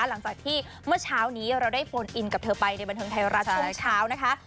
หลังจากที่เมื่อเช้านี้เราได้โฟนอินกับเธอไปในบันเทิงไทยรัฐช่วงเช้านะคะ